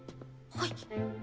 はい。